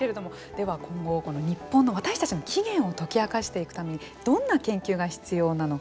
では今後、日本の私たちの起源を解き明かしていくためにどんな研究が必要なのか。